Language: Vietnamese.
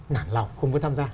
nản lòng không muốn tham gia